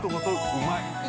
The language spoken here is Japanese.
うまい！